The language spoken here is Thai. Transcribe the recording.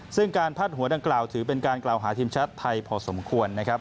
ซึ่งการพาดหัวดังกล่าวถือเป็นการกล่าวหาทีมชาติไทยพอสมควรนะครับ